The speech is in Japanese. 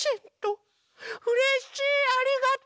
うれしいありがとう！